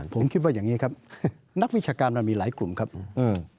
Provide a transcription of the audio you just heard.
ผมคิดว่าอย่างงี้ครับนักวิชาการมันมีหลายกลุ่มครับอืม